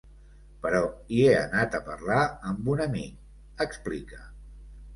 Però hi he anat a parlar amb un amic, explica.